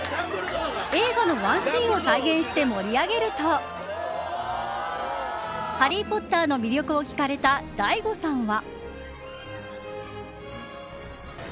映画のワンシーンを再現して盛り上げるとハリー・ポッターの魅力を聞かれたＤＡＩＧＯさんは。